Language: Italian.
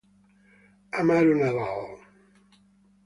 Amaro Nadal